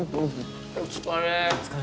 お疲れ。